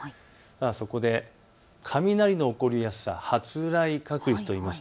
そこで雷の起こりやすさ、発雷確率といいます。